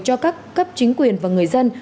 cho các cấp chính quyền và người dân